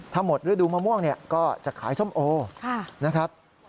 ทั้งหมดฤดูมะม่วงก็จะขายส้มโอนะครับ